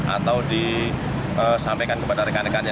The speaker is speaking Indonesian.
atau disampaikan kepada rekan rekannya